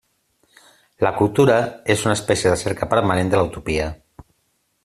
La cultura és una espècie de cerca permanent de la utopia.